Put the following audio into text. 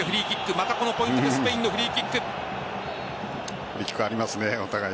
またこのポイントでスペインのフリーキック。